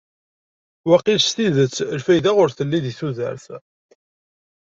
Waqil s tidet lfayda ur telli deg tudert.